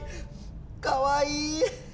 かわいい！